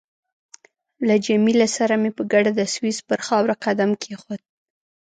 له جميله سره مې په ګډه د سویس پر خاوره قدم کېښود.